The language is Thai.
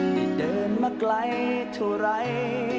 เดินมาไกลเท่าไร